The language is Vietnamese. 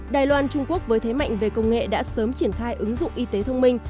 đài loan trung quốc với thế mạnh về công nghệ đã sớm triển khai ứng dụng y tế thông minh